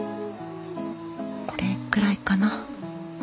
これくらいかな。